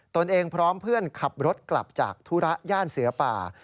ตนเองพร้อมเพื่อนขับรถกลับจากธุระย่านเสือป่า